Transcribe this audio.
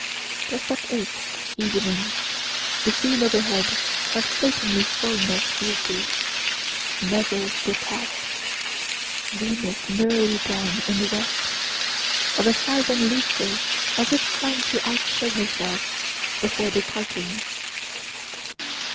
Just at 8, evening, the scene overhead of certainly solemnest beauty, never surpass'd. Venus nearly down in the west, of a size and lustre as if trying to outshow herself, before departing.